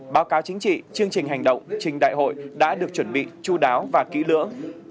báo cáo chính trị chương trình hành động trình đại hội đã được chuẩn bị chú đáo và kỹ lưỡng